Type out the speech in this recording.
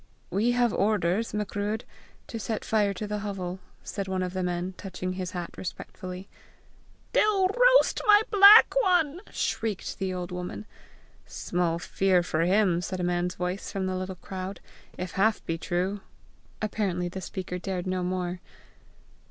"We have orders, Macruadh, to set fire to the hovel," said one of the men, touching his hat respectfully. "They'll roast my black one!" shrieked the old woman. "Small fear for him," said a man's voice from the little crowd, "if half be true !" Apparently the speaker dared no more.